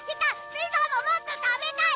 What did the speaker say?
ピザももっと食べたい！